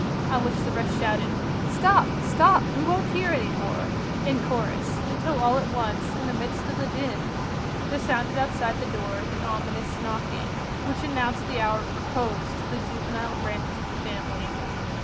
on which the rest shouted, "Stop! stop! we won't hear any more," in chorus, until all at once, in the midst of the din, there sounded outside the door the ominous knocking, which announced the hour of repose to the juvenile branches of the family.